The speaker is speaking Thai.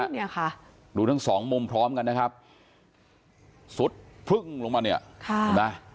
เนี่ยค่ะดูทั้งสองมุมพร้อมกันนะครับสุดพรึ่งลงมาเนี่ยค่ะเห็นไหม